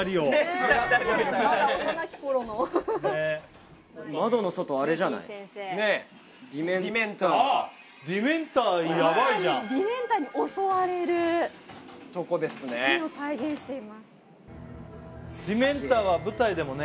まだ幼き頃のディメンターヤバいじゃんまさにディメンターに襲われるとこですねシーンを再現していますディメンターは舞台でもね